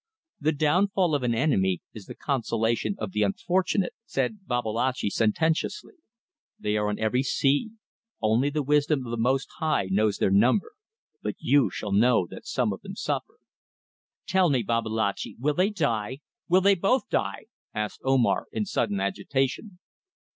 "The downfall of an enemy is the consolation of the unfortunate," said Babalatchi, sententiously. "They are on every sea; only the wisdom of the Most High knows their number but you shall know that some of them suffer." "Tell me, Babalatchi, will they die? Will they both die?" asked Omar, in sudden agitation.